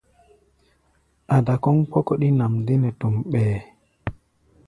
Ada kɔ́ʼm kpɔ́kɔ́ɗí nʼam dé nɛ tom ɓɛɛ́.